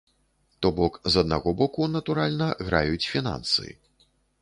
То бок, з аднаго боку, натуральна, граюць фінансы.